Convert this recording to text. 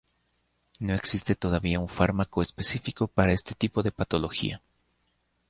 No existe todavía un fármaco específico para este tipo de patología.